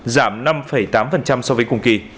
giảm năm tám so với cùng kỳ